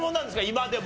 今でも。